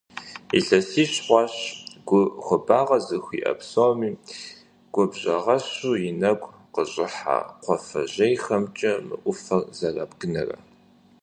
Илъэсищ хъуащ гу хуабагъэ зыхуиӏэ псоми, гъуабжэгъуэщу и нэгу къыщӏыхьэ кхъуафэжьейхэмкӏэ мы ӏуфэр зэрабгынэрэ.